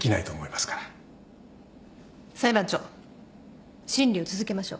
裁判長審理を続けましょう。